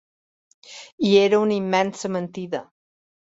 I era una immensa mentida.